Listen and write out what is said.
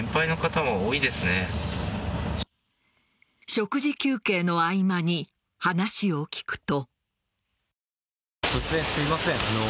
食事休憩の合間に話を聞くと。